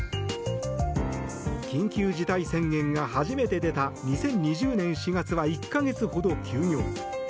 緊急事態宣言が初めて出た２０２０年４月は１か月ほど休業。